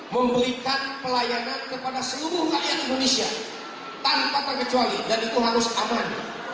memberikan pelayanan kepada seluruh rakyat indonesia tanpa terkecuali dan itu harus aman